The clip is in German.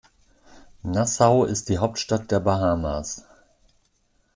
Nassau ist die Hauptstadt der Bahamas.